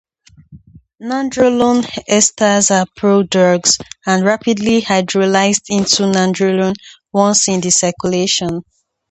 Nandrolone esters are prodrugs, and are rapidly hydrolyzed into nandrolone once in the circulation.